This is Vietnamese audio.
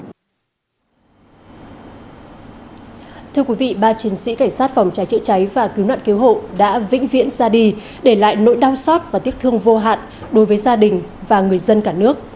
thưa quý vị ba chiến sĩ cảnh sát phòng cháy chữa cháy và cứu nạn cứu hộ đã vĩnh viễn ra đi để lại nỗi đau xót và tiếc thương vô hạn đối với gia đình và người dân cả nước